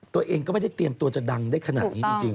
ตัวเองก็ไม่ได้เตรียมตัวจะดังได้ขนาดนี้จริง